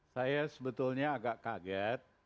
saya sebetulnya agak kaget